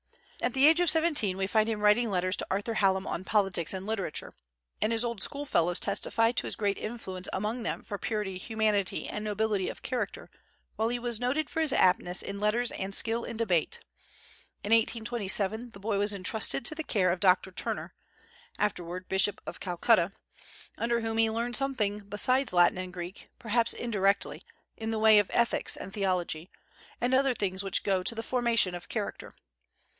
At the age of seventeen we find him writing letters to Arthur Hallam on politics and literature: and his old schoolfellows testify to his great influence among them for purity, humanity, and nobility of character, while he was noted for his aptness in letters and skill in debate. In 1827 the boy was intrusted to the care of Dr. Turner, afterward bishop of Calcutta, under whom he learned something besides Latin and Greek, perhaps indirectly, in the way of ethics and theology, and other things which go to the formation of character.